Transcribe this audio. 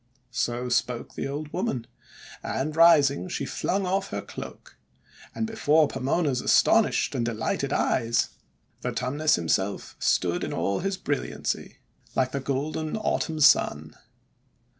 So spoke the old woman, and, rising, she flung off her cloak. And before Pomona's astonished and delighted eyes Vertumnus himself stood 438 THE WONDER GARDEN in all his brilliancy, like the golden Autumn Sun.